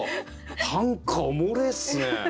短歌おもれえっすね。